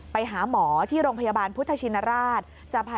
ไปหาหมอที่โรงพยาบาลพุทธชินราช